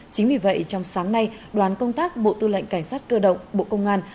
chính vì vậy trong sáng nay đoàn công tác bộ tư lệnh cảnh sát cơ động bộ công an